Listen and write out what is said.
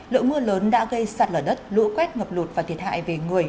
lượng mưa lớn đã gây sạt lở đất lũ quét ngập lụt và thiệt hại về người